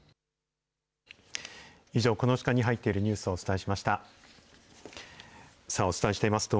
以上、この時間に入っているニュースをお伝えしました。